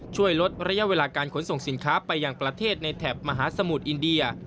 ช่วยลดระยะเวลาการขนส่งสินค้าไปยังประเทศในแถบมหาสมุทรอินเดีย